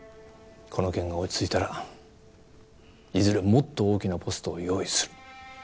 この件が落ち着いたらいずれもっと大きなポストを用意する。